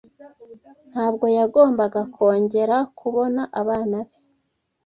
Ntabwo yagombaga kongera kubona abana be.